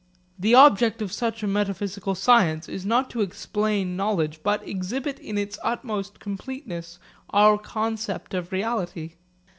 The object of such a metaphysical science is not to explain knowledge, but exhibit in its utmost completeness our concept of reality.